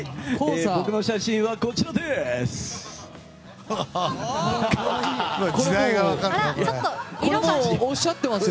僕の写真はこちらです！